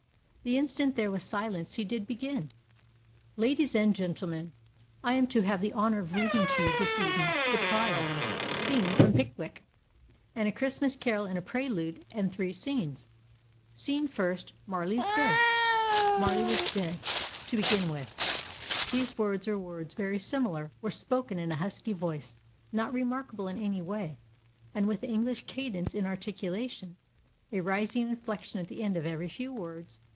The instant there was silence he did begin: "Ladies and gentlemen, I am to have the honor of reading to you this evening the trial scene from Pickwick, and a Christmas Carol in a prelude and three scenes. Scene first, Marley's Ghost. Marley was dead, to begin with." These words, or words very similar, were spoken in a husky voice, not remarkable in any way, and with the English cadence in articulation, a rising inflection at the end of every few words.